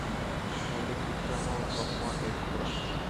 Khalid, Ikrama ও সফওয়ান-এর ঘোড়া।